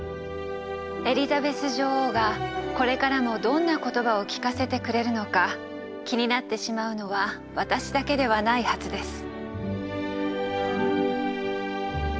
エリザベス女王がこれからもどんな言葉を聴かせてくれるのか気になってしまうのは私だけではないはずです。